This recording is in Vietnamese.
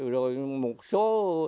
rồi một số